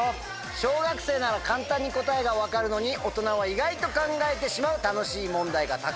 小学生なら簡単に答えが分かるのに大人は意外と考えてしまう楽しい問題がたくさん。